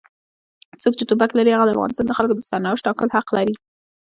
څوک چې ټوپک لري هغه د افغانستان د خلکو د سرنوشت ټاکلو حق لري.